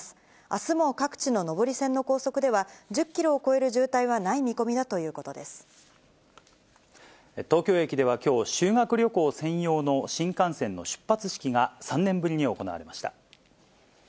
あすも各地の上り線の高速では、１０キロを超える渋滞はない見込東京駅ではきょう、修学旅行専用の新幹線の出発式が、３年ぶりに行われました。